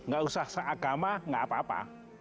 gak usah seagama gak apa apa